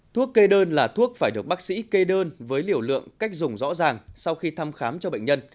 thuốc kê đơn là thuốc phải được bác sĩ kê đơn với liều lượng cách dùng rõ ràng sau khi thăm khám cho bệnh nhân